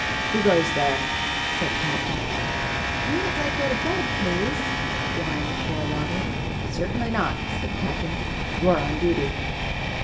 "Who goes there?" said the Captain. "Mayn't I go to bed, please?" whined poor Robert. "Certainly not," said the Captain. "You're on duty."